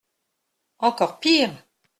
Encore pire !